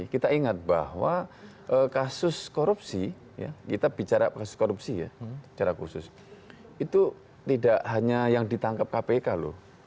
kita ingat bahwa kasus korupsi kita bicara kasus korupsi ya secara khusus itu tidak hanya yang ditangkap kpk loh